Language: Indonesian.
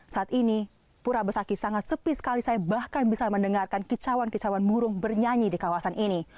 saat ini pura besaki sangat sepi sekali saya bahkan bisa mendengarkan kicauan kicauan burung bernyanyi di kawasan ini